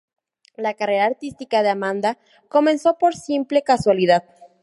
La carrera artística de Amanda comenzó por simple casualidad.